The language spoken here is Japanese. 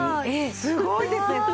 すごいですね！